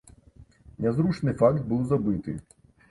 Нязручны факт быў забыты.